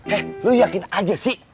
eh lu yakin aja sih